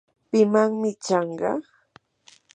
¿pimanmi chanqa?